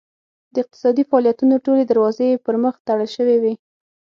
د اقتصادي فعالیتونو ټولې دروازې یې پرمخ تړل شوې وې.